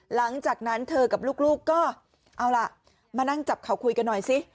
หลังจากนั้นเธอกับลูกก็เอาล่ะมานั่งจับเขาคุยกันหน่อยสิ